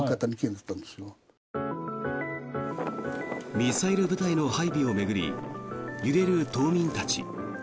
ミサイル部隊の配備を巡り揺れる島民たち。